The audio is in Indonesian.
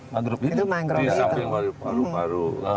mangrub itu sampai paru paru